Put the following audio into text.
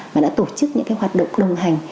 mà đã tổ chức những cái hoạt động đồng hành